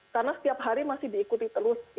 karena setiap hari masih diikuti terus